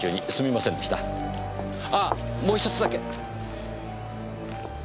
あっもう１つだけ！